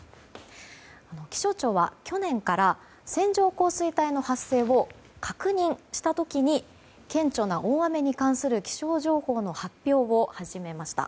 気象庁は去年から線状降水帯の発生を確認した時に顕著な大雨に関する気象情報の発表を始めました。